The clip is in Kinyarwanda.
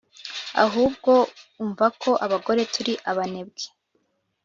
ahubwo, umva ko abagore turi abanebwe,